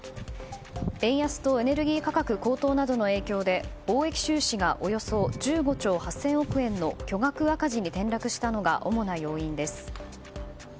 円安とエネルギー価格高騰などの影響で貿易収支がおよそ１５兆８０００億円の巨額赤字に転落したのが主な要因です。